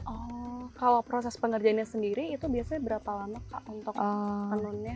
oh kalau proses pengerjaannya sendiri itu biasanya berapa lama kak untuk menenunnya